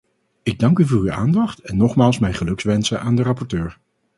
Ik dank u voor uw aandacht en nogmaals mijn gelukwensen aan de rapporteur.